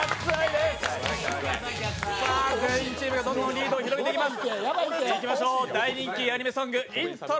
全員チームがどんどんリードを広げていきます。